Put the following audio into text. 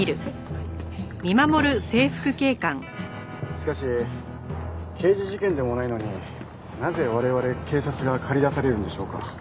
しかし刑事事件でもないのになぜ我々警察が駆り出されるんでしょうか？